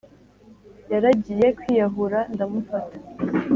Yaragiye kwiyahura ndamufata